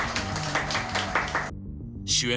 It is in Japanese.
主演